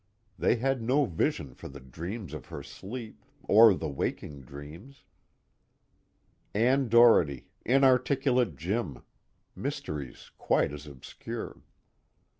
They had no vision for the dreams of her sleep, or the waking dreams. Ann Doherty, inarticulate Jim, mysteries quite as obscure.